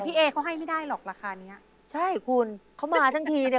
เอเขาให้ไม่ได้หรอกราคาเนี้ยใช่คุณเขามาทั้งทีเนี้ย